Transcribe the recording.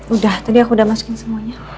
udah tadi aku udah masukin semuanya